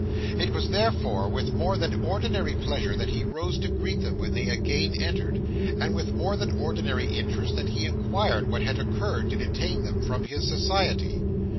It was, therefore, with more than ordinary pleasure that he rose to greet them when they again entered; and with more than ordinary interest that he inquired what had occurred to detain them from his society.